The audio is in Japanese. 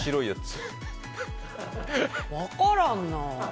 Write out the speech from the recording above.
分からんなあ。